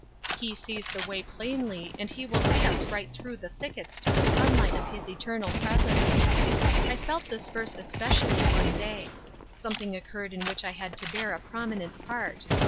He sees the way plainly and He will lead us right through the thickets to the sunlight of His eternal presence. I felt this verse specially one day. Something occurred in which I had to bear a prominent part.